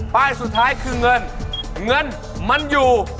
ป้ายสุดท้ายคือเงินเงินมันอยู่